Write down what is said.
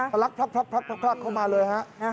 พลักเข้ามาเลย